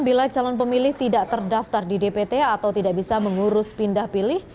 bila calon pemilih tidak terdaftar di dpt atau tidak bisa mengurus pindah pilih